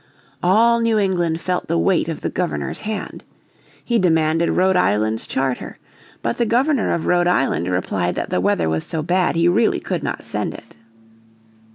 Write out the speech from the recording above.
All New England felt the weight of the Governor's hand. He demanded Rhode Island's charter. But the Governor of Rhode Island replied that the weather was so bad he really could not send it.